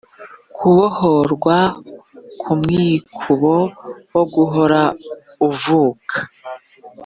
kubohorwa ku mwikubo wo guhora uvuka